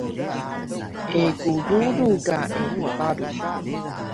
Egu rulu ka eluw paru